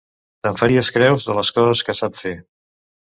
Te'n faries creus, de les coses que sap fer!